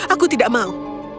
aku tidak mau